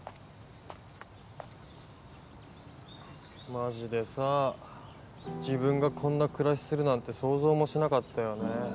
マジでさ自分がこんな暮らしするなんて想像もしなかったよね。